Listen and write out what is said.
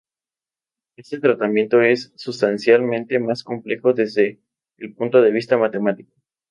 Este tratamiento es sustancialmente más complejo desde el punto de vista matemático.